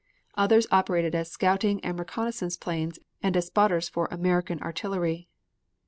Others operated as scouting and reconnaissance planes and as spotters for American artillery.